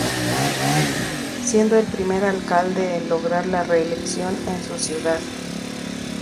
Siendo el primer Alcalde en lograr la reelección en su ciudad.